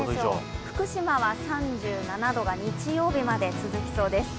福島は３７度が日曜日まで続きそうです。